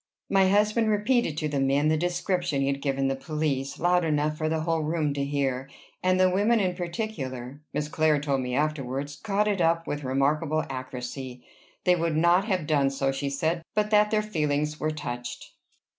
My husband repeated to the men the description he had given the police, loud enough for the whole room to hear; and the women in particular, Miss Clare told me afterwards, caught it up with remarkable accuracy. They would not have done so, she said, but that their feelings were touched.